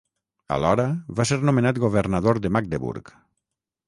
Alhora, va ser nomenat governador de Magdeburg.